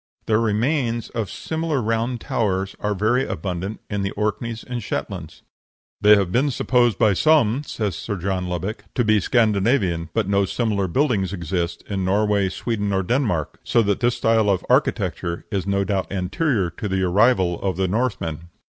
The remains of similar round towers are very abundant in the Orkneys and Shetlands. "They have been supposed by some," says Sir John Lubbock, "to be Scandinavian, but no similar buildings exist in Norway, Sweden, or Denmark, so that this style of architecture is no doubt anterior to the arrival of the Northmen."